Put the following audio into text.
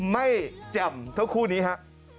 ไม่จำทั้งคู่นี้ฮะ